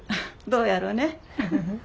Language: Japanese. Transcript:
どうやろね。